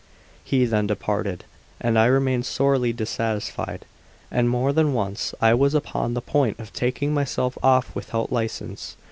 He then departed, and I remained sorely dissatisfied, and more than once I was upon the point of taking myself off without license.